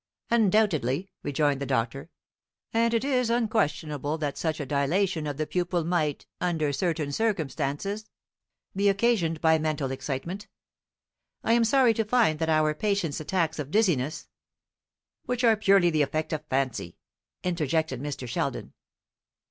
"Undoubtedly," rejoined the doctor; "and it is unquestionable that such a dilatation of the pupil might, under certain circumstances, be occasioned by mental excitement. I am sorry to find that our patient's attacks of dizziness " "Which are purely the effect of fancy," interjected Mr. Sheldon.